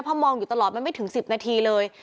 เพราะมองอยู่ตลอดมันไม่ถึง๑๐นาทีเลย